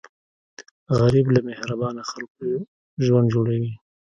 غریب له مهربانه خلکو ژوند جوړوي